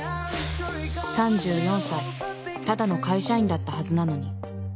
３４歳ただの会社員だったはずなのに。